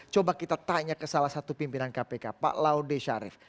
coba kita tanya ke salah satu pimpinan kpk pak laude syarif